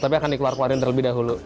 tapi akan dikeluarkan terlebih dahulu